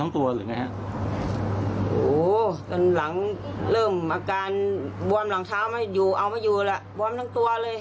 ตอนหลังนี้บวมทั้งตัวหรือยังคะ